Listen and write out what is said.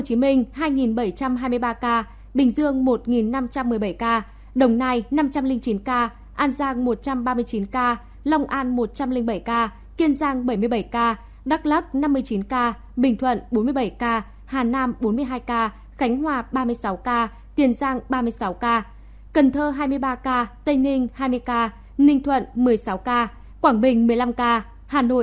tp hcm hai bảy trăm hai mươi ba ca bình dương một năm trăm một mươi bảy ca đồng nai năm trăm linh chín ca an giang một trăm ba mươi chín ca lòng an một trăm linh bảy ca kiên giang bảy mươi bảy ca đắk lắp năm mươi chín ca bình thuận bốn mươi bảy ca hà nam bốn mươi hai ca khánh hòa ba mươi sáu ca kiên giang ba mươi sáu ca cần thơ hai mươi ba ca tây ninh hai mươi ca ninh thuận một mươi sáu ca quảng bình một mươi năm ca hà nội một mươi bốn ca quảng trị một mươi ba ca